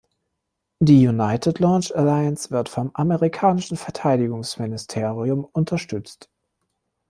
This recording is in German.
Die United Launch Alliance wird vom amerikanischen Verteidigungsministerium unterstützt.